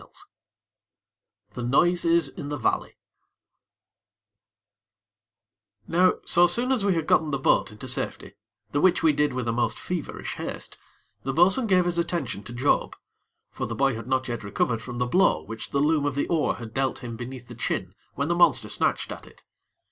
VIII The Noises in the Valley Now, so soon as we had gotten the boat into safety, the which we did with a most feverish haste, the bo'sun gave his attention to Job; for the boy had not yet recovered from the blow which the loom of the oar had dealt him beneath the chin when the monster snatched at it.